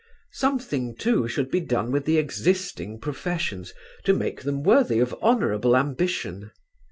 Something too should be done with the existing professions to make them worthy of honourable ambition.